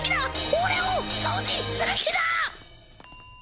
俺を掃除する気だ！